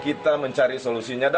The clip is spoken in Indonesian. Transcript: kita memaafkan dari sekolah